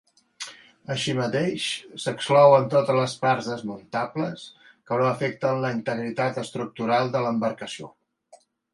Així mateix, s'exclouen totes les parts desmuntables que no afecten la integritat estructural de l'embarcació.